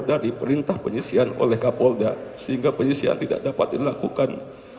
dan perintah penyesian oleh kapolda sehingga penyesian tidak dapat dilakukan